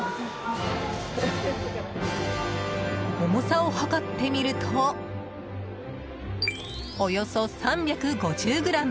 重さを量ってみるとおよそ３５０ｇ。